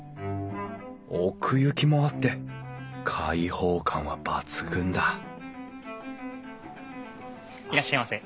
奥行きもあって開放感は抜群だいらっしゃいませ。